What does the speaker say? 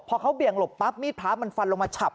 พอเขาเบี่ยงหลบปั๊บมีดพระมันฟันลงมาฉับ